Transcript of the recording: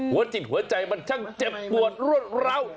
หัวจิตหัวใจมันช่างเจ็บปวดรวดราว